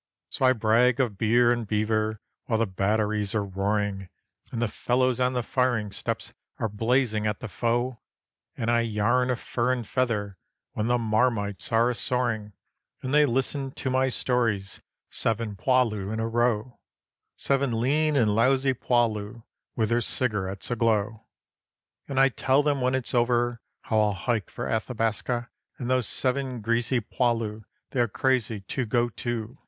So I brag of bear and beaver while the batteries are roaring, And the fellows on the firing steps are blazing at the foe; And I yarn of fur and feather when the 'marmites' are a soaring, And they listen to my stories, seven 'poilus' in a row, Seven lean and lousy 'poilus' with their cigarettes aglow. And I tell them when it's over how I'll hike for Athabaska; And those seven greasy 'poilus' they are crazy to go too.